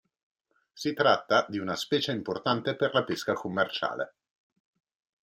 Si tratta di una specie importante per la pesca commerciale.